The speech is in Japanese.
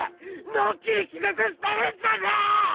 のんきに気絶してるんじゃねえ！